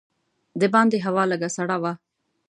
د باندې هوا لږه سړه وه.